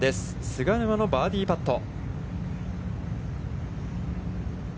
菅沼のバーディーパット。